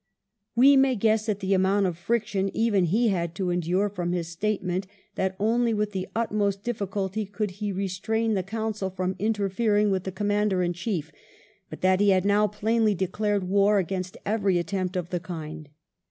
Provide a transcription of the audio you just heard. We may guess at the amount of friction even he had to endure from his statement that only with the utmost difficulty could he restrain the Council from interfering with the Com mander in Chief ; but that he had now plainly declared war against every attempt of the kind.